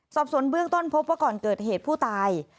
สอบสวนเบื้องต้นพบว่าก่อนเกิดเหตุผู้ตาย